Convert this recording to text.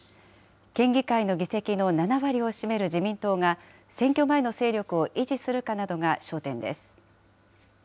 県議会の議席の７割を占める自民党が、選挙前の勢力を維持するかなどが焦点です。